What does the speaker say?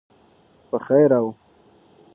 په خیر او